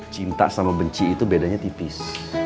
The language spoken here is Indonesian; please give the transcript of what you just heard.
cinta sama benci itu bedanya tipis